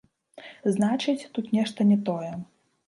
Значыць, тут нешта не тое.